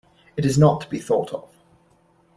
It is not to be thought of.